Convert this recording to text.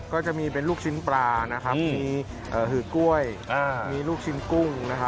ก็จะมีเป็นลูกชิ้นปลานะครับมีหือกล้วยมีลูกชิ้นกุ้ง